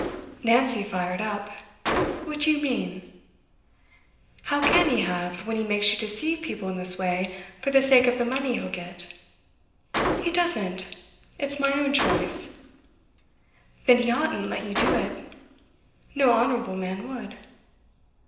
Nancy fired up. 'What do you mean?' 'How can he have, when he makes you deceive people in this way for the sake of the money he'll get?' 'He doesn't! It's my own choice.' 'Then he oughtn't let you do it. No honourable man would.